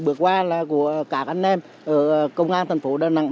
vừa qua là của các anh em ở công an thành phố đà nẵng